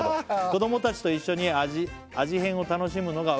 「子どもたちと一緒に味変を楽しむのが」